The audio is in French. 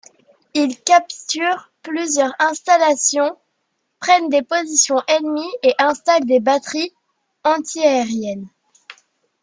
Ils capturent plusieurs installations, prennent des positions ennemies et installent des batteries antiaériennes.